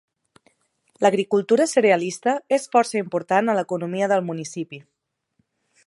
L'agricultura cerealista és força important a l'economia del municipi.